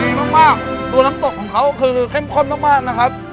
ดีมากมากตัวน้ำตกของเขาคือเข้มข้นมากมากนะครับ